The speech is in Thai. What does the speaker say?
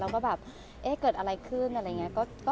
แล้วก็แบบเอ๊ะเกิดอะไรขึ้นอะไรอย่างนี้